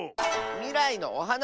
みらいのおはな！